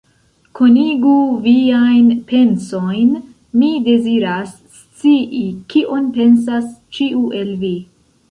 Konigu viajn pensojn, mi deziras scii, kion pensas ĉiu el vi!